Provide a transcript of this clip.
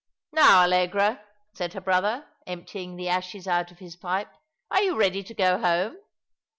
" Now, Allegra," said her brother, emptying the ashes out of his pipe, " are you ready to go home